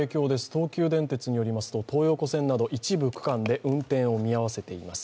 東急電鉄によりますと東横線など一部区間で運転を見合わせています。